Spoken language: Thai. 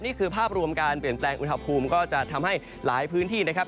นี่คือภาพรวมการเปลี่ยนแปลงอุณหภูมิก็จะทำให้หลายพื้นที่นะครับ